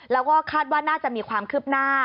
แล้วก็คาดว่าน่าจะมีความคืบหน้า